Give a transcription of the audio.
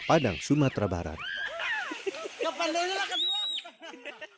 padang sumatera barat kepadanya lakukan